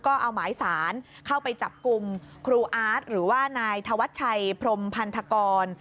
ก็เอาหมายสารเข้าไปจับกลุ่มครูอาร์ตหรือว่านายธวัชชัยพรมพันธกร